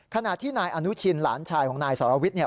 ขณะที่นายอนุชินหลานชายของนายสรวิทย์